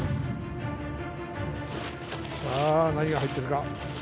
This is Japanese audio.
さあ何が入ってるか？